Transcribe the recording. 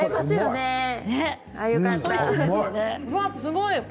すごい！